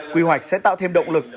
quy hoạch sẽ tạo thêm động lực